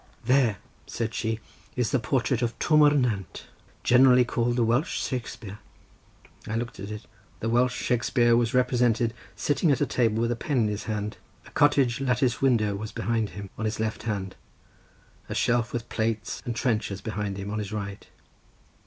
"There," said she, "is the portrait of Twm o'r Nant, generally called the Welsh Shakespear." I looked at it. The Welsh Shakespear was represented sitting at a table with a pen in his hand; a cottage latticed window was behind him, on his left hand; a shelf with plates and trenchers behind him, on his right.